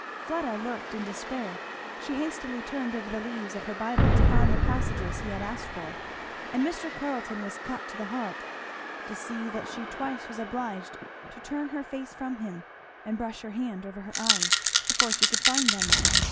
Fleda looked in despair. She hastily turned over the leaves of her Bible to find the passages he had asked for, and Mr. Carleton was cut to the heart to see that she twice was obliged to turn her face from him and brush her hand over her eyes, before she could find them.